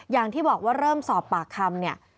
อย่างที่บอกว่าเริ่มสอบปากคำเนี่ย